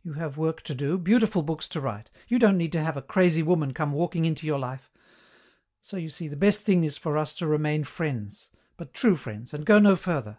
You have work to do, beautiful books to write. You don't need to have a crazy woman come walking into your life. So, you see, the best thing is for us to remain friends, but true friends, and go no further."